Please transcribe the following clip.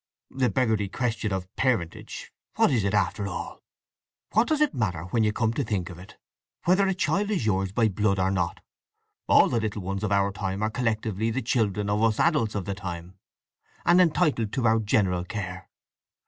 The beggarly question of parentage—what is it, after all? What does it matter, when you come to think of it, whether a child is yours by blood or not? All the little ones of our time are collectively the children of us adults of the time, and entitled to our general care.